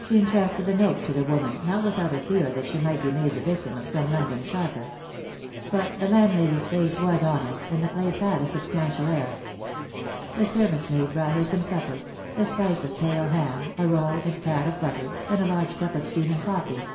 She entrusted the note to the woman, not without a fear that she might be made the victim of some London sharper. But the landlady's face was honest, and the place had a substantial air. A servant maid brought her some supper — a slice of pale ham, a roll and pat of butter, and a large cup of steaming coffee.